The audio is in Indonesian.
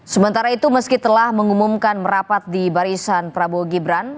sementara itu meski telah mengumumkan merapat di barisan prabowo gibran